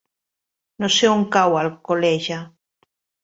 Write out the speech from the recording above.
No sé on cau Alcoleja.